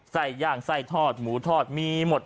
ย่างไส้ทอดหมูทอดมีหมด